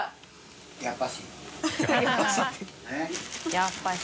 「やっぱし」